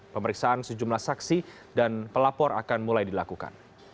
pemeriksaan sejumlah saksi dan pelapor akan mulai dilakukan